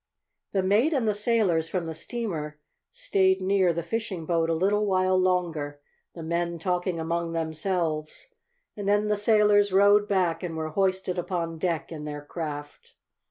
The mate and the sailors from the steamer stayed near the fishing boat a little while longer, the men talking among themselves, and then the sailors rowed back, and were hoisted upon deck in their craft.